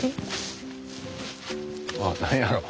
あ何やろ？